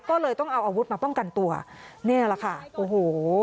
ก็เลยต้องเอาอาวุธมาป้องกันตัวเนี่ยแหละค่ะโอ้โห